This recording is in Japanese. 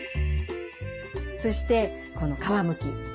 そしてこの皮むき。